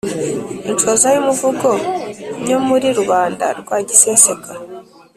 inshoza y’umuvugo nyo muri rubanda rwa giseseka